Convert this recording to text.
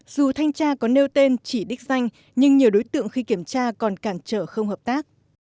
dù thanh tra có nêu tên chỉ đích danh nhưng nhiều đối tượng khi kiểm tra còn cản trở không hợp tác